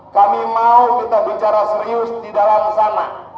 kami mau kita bicara serius di dalam sana